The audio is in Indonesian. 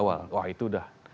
wah itu udah